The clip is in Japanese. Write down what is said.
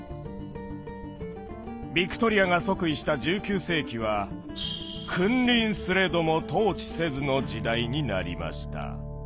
ヴィクトリアが即位した１９世紀は「君臨すれども統治せず」の時代になりました。